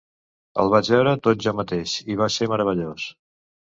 El vaig veure tot jo mateix, i va ser meravellós.